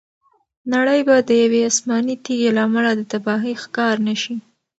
نړۍ به د یوې آسماني تیږې له امله د تباهۍ ښکار نه شي.